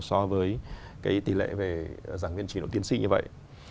so với tỷ lệ về giảng viên trình độ tiến sinh như vậy